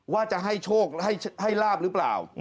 ว่าจะให้โชคให้ลาบหรือเปล่า